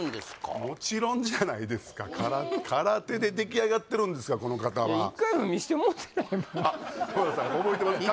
もちろんじゃないですか空手で出来上がってるんですからこの方は１回も見してもろてないもんあっ浜田さん覚えてますか？